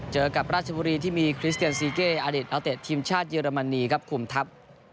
เจอกับราชบุรีที่มีคริสเตียนซีเก้อดีตอัลเตะทีมชาติเยอรมนีครับคุมทัพ